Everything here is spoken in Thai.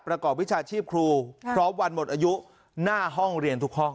ประกอบวิชาชีพครูพร้อมวันหมดอายุหน้าห้องเรียนทุกห้อง